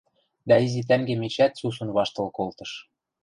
Дӓ изи тӓнгем эчеӓт сусун ваштыл колтыш: